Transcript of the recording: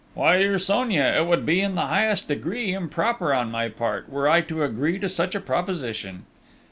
"Why, dear Sonia, it would be in the highest degree improper on my part, were I to agree to such a proposition!...